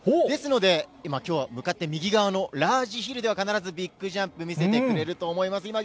ですので、今、きょうは向かって右側のラージヒルでは、必ずビッグジャンプ、見せてくれると思います。